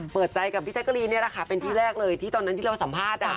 เปิดใจกับพี่หนักจริงเนี่ยแหละค่ะเป็นที่แรกเลยที่ตอนตอนที่เราสัมภาษณ์อ่ะ